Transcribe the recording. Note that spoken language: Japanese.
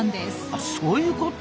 あそういうこと。